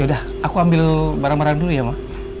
yaudah aku ambil barang barang dulu ya ma